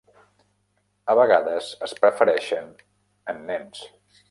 A vegades es prefereixen en nens.